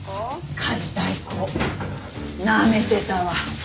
家事代行なめてたわ。